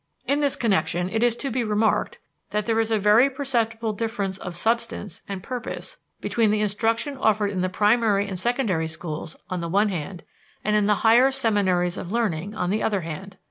In this connection it is to be remarked that there is a very perceptible difference of substance and purpose between the instruction offered in the primary and secondary schools, on the one hand, and in the higher seminaries of learning, on the other hand.